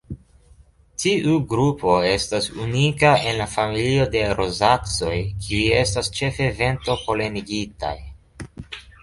Tiu grupo estas unika en la familio de Rozacoj kiuj estas ĉefe vento-polenigitaj.